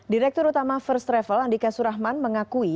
direktur utama first travel andika surahman mengakui